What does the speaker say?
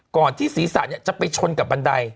ก่อนที่ศรีษะจะไปชนกับบันดาย